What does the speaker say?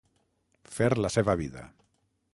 Fer la seva vida.